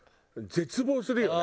絶望するよね。